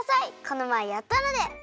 このまえやったので！